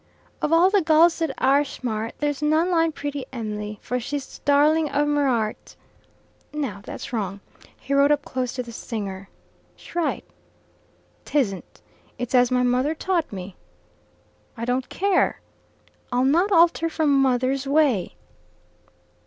"'Of all the gulls that arsshmart, There's none line pretty Em'ly; For she's the darling of merart'" "Now, that's wrong." He rode up close to the singer. "Shright." "'Tisn't." "It's as my mother taught me." "I don't care." "I'll not alter from mother's way."